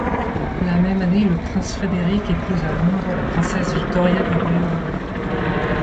La même année, le prince Frédéric épouse à Londres la princesse Victoria du Royaume-Uni.